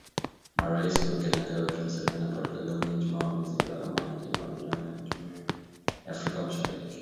Marais Uhuru Kenyata , Yoweri Museveni , na Paul Kagame Ijumaa wamezindua ramani iliyopanuliwa ya Jumuiya ya Afrika Mashariki